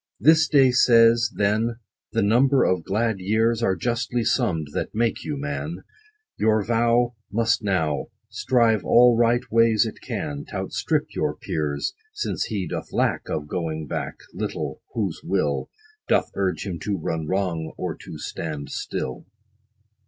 This day says, then, the number of glad years Are justly summ'd, that make you man; Your vow Must now Strive all right ways it can, T' outstrip your peers : Since he doth lack Of going back Little, whose will 20 Doth urge him to run wrong, or to stand still.